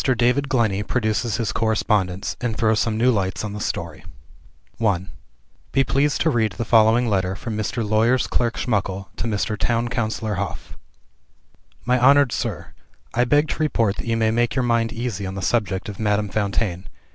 DAVID GLENNEY PRODUCES HIS CORRESPONDENCE, AND THROWS SOME NEW LIGHTS ON THE STORY I Be pleased to read the following letter from Mr. Lawyer's Clerk Schmuckle to Mr. Town Councilor Hof: "My honored Sir, I beg to report that you may make your mind easy on the subject of Madame Fontaine.